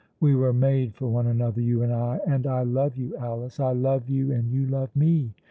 We were made for one another, you and I, and I love you, Alice I love you and you love me.